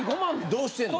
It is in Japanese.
どうしてんの？